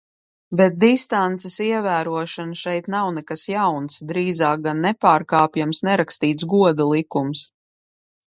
Bet distances ievērošana šeit nav nekas jauns, drīzāk gan nepārkāpjams, nerakstīts goda likums.